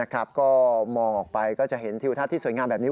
ก็มองออกไปก็จะเห็นทิวทัศน์ที่สวยงามแบบนี้